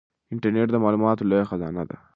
انټرنیټ د معلوماتو لویه خزانه ده.